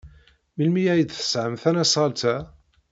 Melmi ay d-tesɣam tasnasɣalt-a?